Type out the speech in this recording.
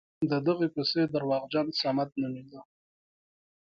د دغې کوڅې درواغجن ضمټ نومېده.